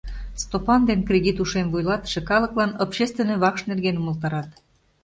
Стопан ден кредит ушем вуйлатыше калыклан общественный вакш нерген умылтарат.